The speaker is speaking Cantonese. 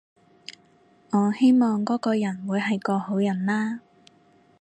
我希望嗰個人會係個好人啦